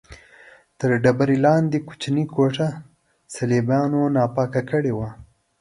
تر ډبرې لاندې کوچنۍ کوټه صلیبیانو ناپاکه کړې وه.